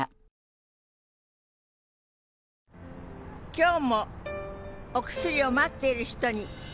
今日もお薬を待っている人に。